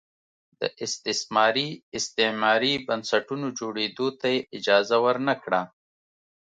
د استثماري استعماري بنسټونو جوړېدو ته یې اجازه ور نه کړه.